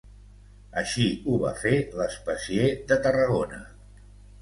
Així ho va fer l'especier de Tarragona.